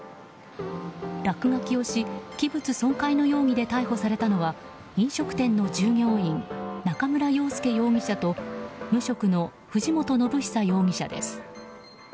落書きをし器物損壊の容疑で逮捕されたのは飲食店の従業員中村洋介容疑者と無職の藤本伸久容疑者です。